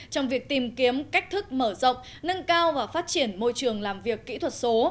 trong việc tìm kiếm cách thức mở rộng nâng cao và phát triển môi trường làm việc kỹ thuật số